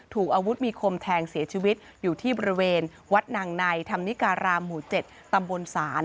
ถูกอาวุธมีคมแทงเสียชีวิตอยู่ที่บริเวณวัดนางในธรรมนิการามหมู่๗ตำบลศาล